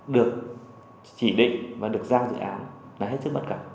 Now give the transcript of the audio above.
được chỉ định và được giao dự án là hết sức bất cập